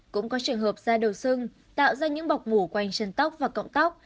cũng có trường hợp da đầu sưng tạo ra những bọc mủ quanh chân tóc và cọng tóc